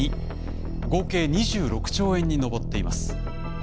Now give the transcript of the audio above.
合計２６兆円に上っています。